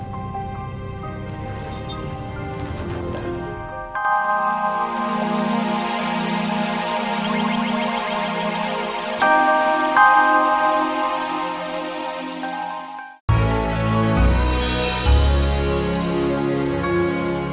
oke baik pak